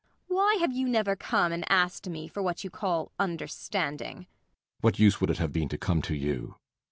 ] Why have you never come and asked me for what you call understanding? BORKMAN. What use would it have been to come to you?